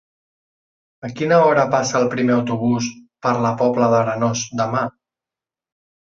A quina hora passa el primer autobús per la Pobla d'Arenós demà?